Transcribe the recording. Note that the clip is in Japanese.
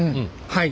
はい。